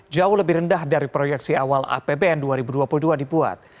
jauh lebih rendah dari proyeksi awal apbn dua ribu dua puluh dua dibuat